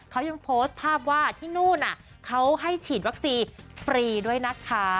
เขายังโพสต์ภาพว่าที่นู่นเขาให้ฉีดวัคซีนฟรีด้วยนะคะ